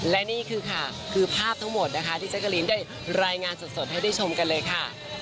และนี่คือค่ะคือภาพทั้งหมดนะคะที่แจ๊กกะรีนได้รายงานสดให้ได้ชมกันเลยค่ะ